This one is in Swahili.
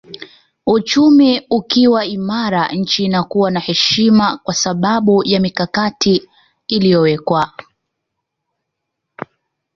Uchumi ukiwa imara nchi inakuwa na heshima kwa sababu ya mikakati iliyowekwa